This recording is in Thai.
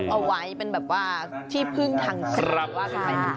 เอาไว้เป็นแบบว่าที่พึ่งทางศิลป์ว่ากันไป